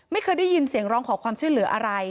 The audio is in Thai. ไม่เคยได้ยินเสียงร้องขอความช่วยเหลืออะไร